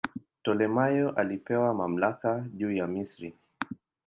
Ptolemaio alipewa mamlaka juu ya Misri.